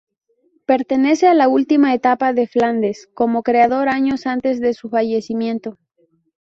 Pertenece a la última etapa de Flandes como creador años antes de su fallecimiento.